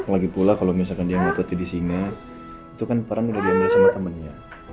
lagi pula kalau misalkan dia mau jadi singa itu kan peran udah diambil sama temennya